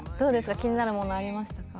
気になるものありましたか？